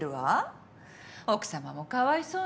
奥さまもかわいそうに。